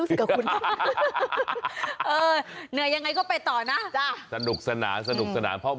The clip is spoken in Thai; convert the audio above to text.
กับคุณเออเหนื่อยยังไงก็ไปต่อนะจ้ะสนุกสนานสนุกสนานเพราะ